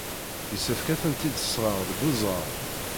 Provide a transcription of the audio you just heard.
Yessefk ad tent-id-tseɣ deg uzɣar.